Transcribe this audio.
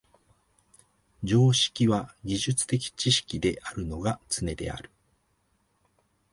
常識は技術的知識であるのがつねである。